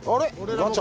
ガチャ。